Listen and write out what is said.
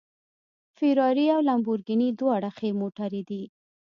فېراري او لمبورګیني دواړه ښې موټرې دي